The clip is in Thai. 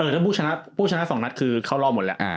ถ้าพวกชนะ๒นัฏคือเขาเราหมดแล้ว